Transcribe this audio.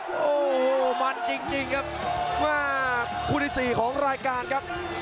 โอ้โหมันจริงจริงครับแม่คู่ที่สี่ของรายการครับ